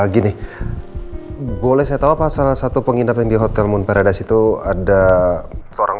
gini boleh saya tahu apa salah satu penginap yang di hotel moon paradas itu ada seorang